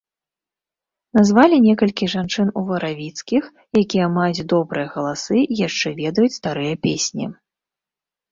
Назвалі некалькі жанчын уваравіцкіх, якія маюць добрыя галасы і яшчэ ведаюць старыя песні.